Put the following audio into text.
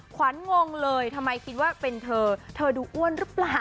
ขวัญงงเลยทำไมคิดว่าเป็นเธอเธอดูอ้วนหรือเปล่า